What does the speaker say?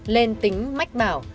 lên tính mách bảo